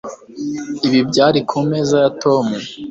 Ibi byari kumeza ya Tom